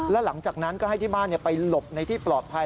แล้วหลังจากนั้นก็ให้ที่บ้านไปหลบในที่ปลอดภัย